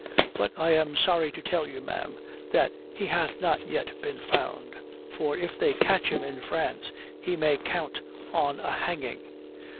But I am sorry to tell you, ma'am, that he hath not yet been found. For if they catch him in France, he may count on a hanging."